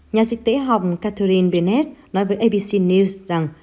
nhà dịch tễ học catherine bennett nói với abc news rằng